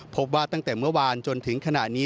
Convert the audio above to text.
พบว่าตั้งแต่เมื่อวานจนถึงขณะนี้